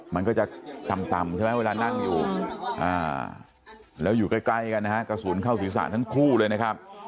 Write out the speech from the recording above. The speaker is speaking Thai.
มันก็จะต่ำใช่ไหมเวลานั่งอยู่แล้วอยู่ใกล้กันนะฮะกระสุนเข้าศีรษะทั้งคู่เลยนะครับ